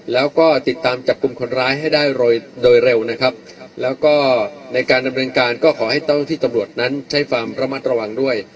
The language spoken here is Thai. แล้วก็ติดตามจับกลุ่มคนร้ายให้ได้โดยโดยเร็วนะครับแล้วก็ในการดำเนินการก็ขอให้เจ้าที่ตำรวจนั้นใช้ความระมัดระวังด้วย